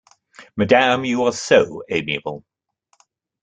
Madame, you are so amiable!